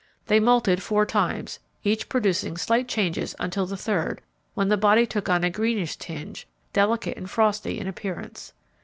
They moulted four times, each producing slight changes until the third, when the body took on a greenish tinge, delicate and frosty in appearance.